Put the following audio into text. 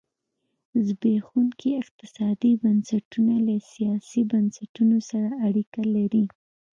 زبېښونکي اقتصادي بنسټونه له سیاسي بنسټونه سره اړیکه لري.